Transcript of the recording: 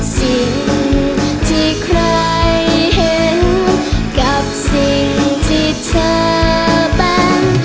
สิ่งที่ใครเห็นกับสิ่งที่เธอเป็น